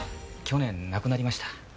去年亡くなりました。